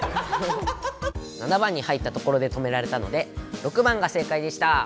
７番に入ったところで止められたので６番が正解でした。